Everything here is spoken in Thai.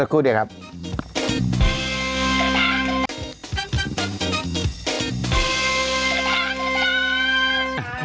เศก้วเดี๋ยวครับ